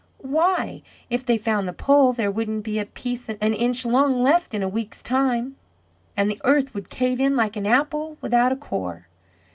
Why, if they found the Pole, there wouldn't be a piece an inch long left in a week's time, and the earth would cave in like an apple without a core!